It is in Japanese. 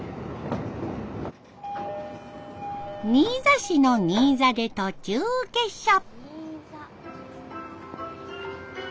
新座市の新座で途中下車。